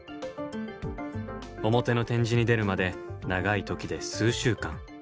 表の展示に出るまで長い時で数週間。